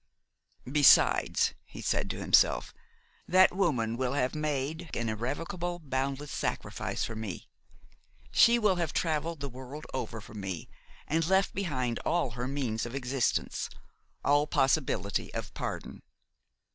"Besides," he said to himself, "that woman will have made an irrevocable, boundless sacrifice for me. She will have travelled the world over for me and have left behind her all means of existence–all possibility of pardon.